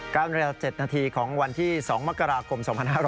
กราบนรับ๗นาทีของวันที่๒มกราคม๒๕๕๘